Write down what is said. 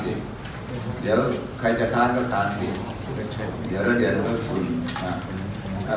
เดี๋ยวใครจะค้างก็ค้างจริงเดี๋ยวแล้วเดี๋ยวเราก็คุณอ่า